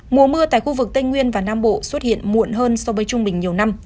mùa mưa tại khu vực tây nguyên và nam bộ xuất hiện muộn hơn so với trung bình nhiều năm